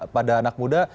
pada anak muda